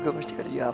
gue mesti kerja apa ya